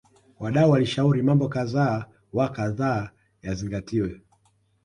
wadau walishauri mambo kadha wa kadha yazingatiwe